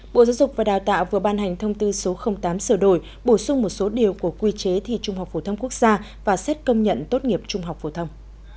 bộ giáo dục và đào tạo vừa ban hành thông tư số tám sửa đổi bổ sung một số điều của quy chế thi trung học phổ thông quốc gia và xét công nhận tốt nghiệp trung học phổ thông